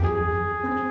alia gak ada ajak rapat